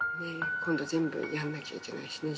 今度全部やんなきゃいけないしね。